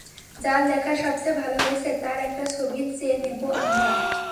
যার লেখা সবচেয়ে ভালো হয়েছে, তার একটা ছবি চেয়ে নেব আমরা।